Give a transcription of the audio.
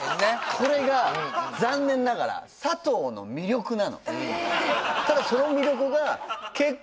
これが残念ながら佐藤の魅力なのええ